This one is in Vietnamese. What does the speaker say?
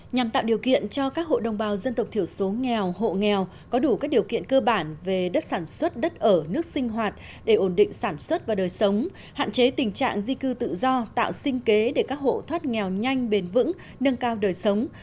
nhằm tạo điều kiện cho các hộ đồng bào dân tộc thiểu số nghèo hộ nghèo có đủ các điều kiện cơ bản về đất sản xuất đất ở nước sinh hoạt để ổn định sản xuất và đời sống hạn chế tình trạng di cư tự do tạo sinh kế để các hộ thoát nghèo nhanh bền vững nâng cao đời sống